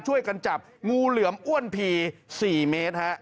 ช่วยกันจับงูเหลือมอ้วนผี๔เมตรฮะ